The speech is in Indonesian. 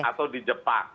atau di jepang